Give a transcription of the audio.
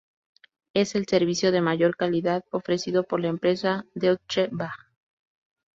Es el servicio de mayor calidad ofrecido por la empresa Deutsche Bahn.